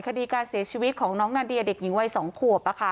คดีการเสียชีวิตของน้องนาเดียเด็กหญิงวัย๒ขวบ